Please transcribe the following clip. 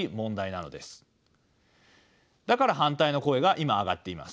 だから反対の声が今上がっています。